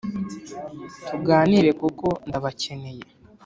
tuganire kuko ndabakeneye”